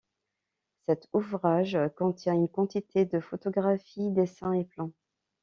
Cet ouvrage contient une quantité de photographies, dessins et plans.